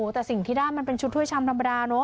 แต่สิ่งที่ได้มันเป็นชุดถ้วยชำธรรมดาเนอ